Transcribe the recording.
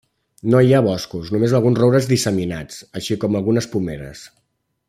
No hi ha boscos, només alguns roures disseminats, així com algunes pomeres.